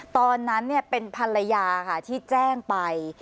ตอนนั้นเป็นภรรยาค่ะที่แจ้งไป